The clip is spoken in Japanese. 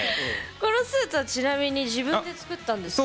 このスーツはちなみに自分で作ったんですか？